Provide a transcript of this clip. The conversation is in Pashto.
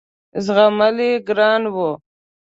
زغمل یې ګران وه.